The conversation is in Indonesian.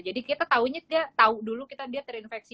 jadi kita taunya dia tahu dulu kita dia terinfeksi